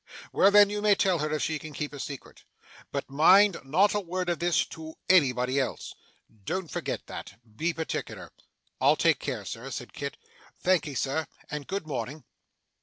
Well then, you may tell her if she can keep a secret. But mind, not a word of this to anybody else. Don't forget that. Be particular.' 'I'll take care, sir,' said Kit. 'Thankee, sir, and good morning.